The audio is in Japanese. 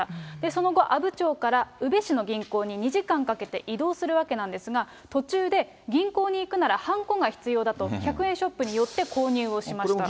その後、阿武町から宇部市の銀行に２時間かけて移動するわけなんですが、途中で銀行に行くならはんこが必要だと、１００円ショップに寄って購入をしました。